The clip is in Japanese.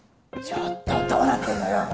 ちょっとどうなってんのよ？